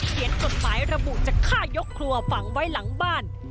เขียนกฎหมายระบุจะฆ่ายกครัวฝังไว้หลังบ้าน